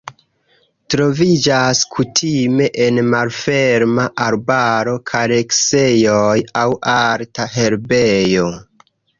Troviĝas kutime en malferma arbaro, kareksejoj aŭ alta herbejo.